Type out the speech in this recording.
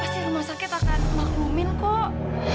pasti rumah sakit akan aku maklumin kok